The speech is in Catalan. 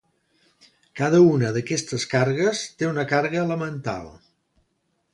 Cada una d'aquestes càrregues té una càrrega elemental.